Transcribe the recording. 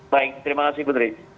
baik terima kasih putri